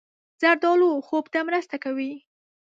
زردالو خوب ته مرسته کوي.